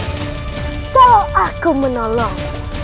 kalau aku menolong